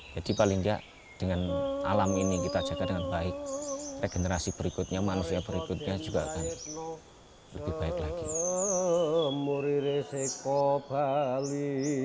jadi paling tidak dengan alam ini kita jaga dengan baik regenerasi berikutnya manusia berikutnya juga akan lebih baik lagi